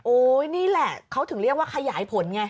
นี่แหละเขาถึงเรียกว่าขยายผลไง